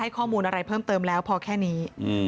ข้อมูลอะไรเพิ่มเติมแล้วพอแค่นี้